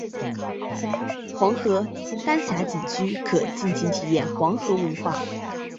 黄河丹霞景区可尽情体验黄河文化。